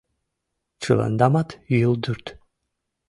Чыландамат юлдурт!